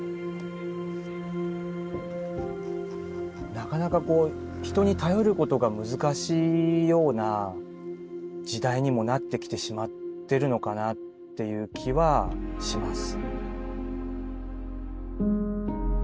なかなかこう人に頼ることが難しいような時代にもなってきてしまってるのかなっていう気はします。